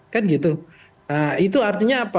kan gitu itu artinya apa